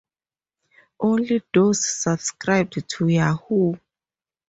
Only those subscribed to Yahoo!